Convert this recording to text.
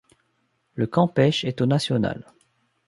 Le Campeche est au national.